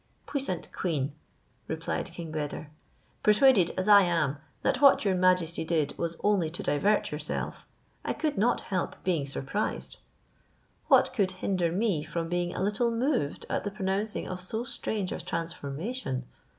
"Puissant queen," replied King Beder, "persuaded as I am, that what your majesty did was only to divert yourself, I could not help being surprised. What could hinder me from being a little moved at the pronouncing of so strange a transformation?